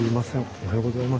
おはようございます。